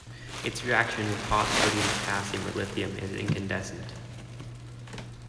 Its reaction with hot sodium, potassium or lithium is incandescent.